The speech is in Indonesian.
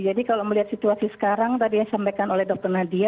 jadi kalau melihat situasi sekarang tadi yang disampaikan oleh dr nadia